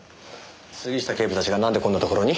杉下警部たちがなんでこんなところに？